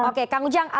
oke kang ujang